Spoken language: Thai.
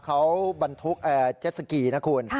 เขาบรรทุกเจ็ดสกีนะคุณ